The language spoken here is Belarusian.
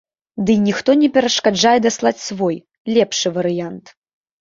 Дый ніхто не перашкаджае даслаць свой, лепшы варыянт.